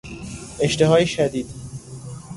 اشتهای شدید